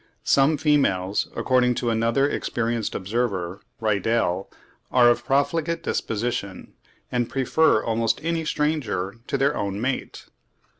Some females, according to another experienced observer, Riedel (24. Die Taubenzucht, 1824, s. 86.), are of a profligate disposition, and prefer almost any stranger to their own mate.